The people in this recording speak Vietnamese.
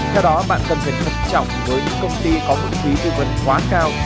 theo đó bạn cần phải thận trọng với những công ty có mức phí tư vấn quá cao